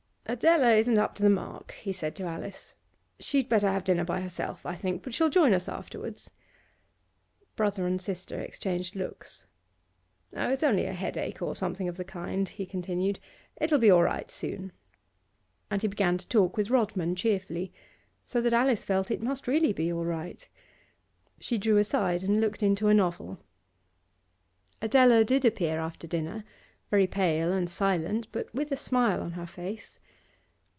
'Adela isn't up to the mark,' he said to Alice. 'She'd better have dinner by herself, I think; but she'll join us afterwards.' Brother and sister exchanged looks. 'Oh, it's only a headache or something of the kind,' he continued. 'It'll be all right soon.' And he began to talk with Rodman cheerfully, so that Alice felt it must really be all right. She drew aside and looked into a novel. Adela did appear after dinner, very pale and silent, but with a smile on her face.